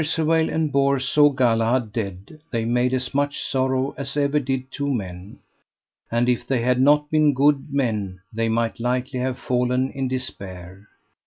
When Percivale and Bors saw Galahad dead they made as much sorrow as ever did two men. And if they had not been good men they might lightly have fallen in despair.